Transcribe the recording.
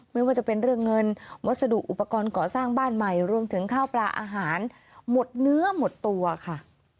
ไม่ว่าจะเป็นเรื่องเงินวัสดุอุปกรณ์ก่อสร้างบ้านใหม่รวมถึงข้าวปลาอาหารหมดเนื้อหมดตัวค่ะ